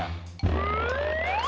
lalu untuk kelompok yang ketiga